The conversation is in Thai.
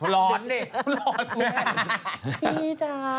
ร้อนดิ